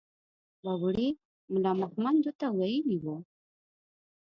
بابړي ملا مهمندو ته ويلي وو.